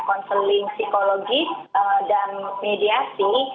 konseling psikologis dan mediasi